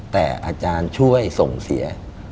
แต่อาจารย์ช่วยส่งเสีย